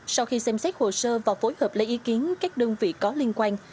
sau khi xem xét hồ sơ và phối hợp lấy ý kiến các đơn vị có liên quan